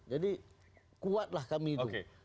jadi kuatlah kami itu